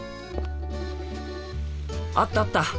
あったあった！